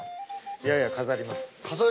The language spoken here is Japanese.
いやいや飾ります。